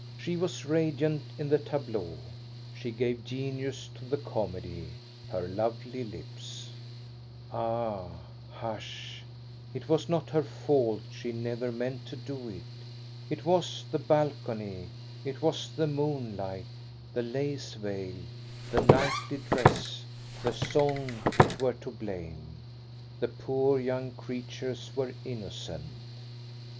She was radiant in the tableaux, she gave genius to the comedy, her lovely lips — Ah, hush, it was not her fault, she never meant to do it I It was the balcony, it was the moonlight, the lace veil, the knightly dress, the song, which were to blame. The poor young creatures were innocent.